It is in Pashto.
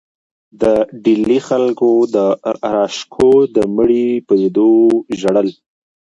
د ډیلي خلکو د داراشکوه د مړي په لیدو ژړل.